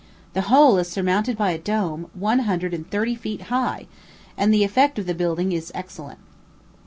The whole is surmounted by a dome, one hundred and thirty feet high, and the effect of the building is excellent.